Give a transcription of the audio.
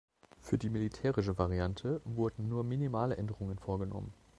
Für die militärische Variante wurden nur minimale Änderungen vorgenommen.